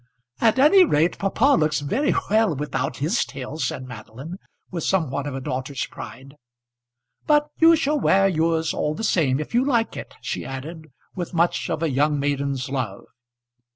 "At any rate papa looks very well without his tail," said Madeline with somewhat of a daughter's pride. "But you shall wear yours all the same, if you like it," she added with much of a young maiden's love.